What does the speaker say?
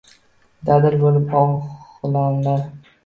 Dadil bo‘lib o‘g‘lonlar